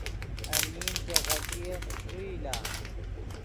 المی چے غلطی ام چے ݰوئی لا